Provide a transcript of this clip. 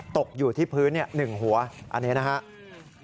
ตกอยู่ที่พื้น๑หัวอันนี้นะครับ